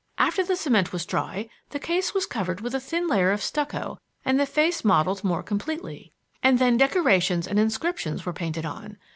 After the cement was dry the case was covered with a thin layer of stucco and the face modeled more completely, and then decorations and inscriptions were painted on.